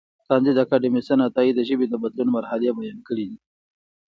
کانديد اکاډميسن عطايي د ژبې د بدلون مرحلې بیان کړې دي.